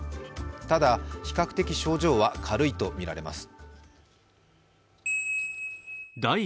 ただ、比較的症状は軽いとみられます。